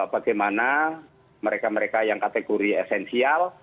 bagaimana mereka mereka yang kategori esensial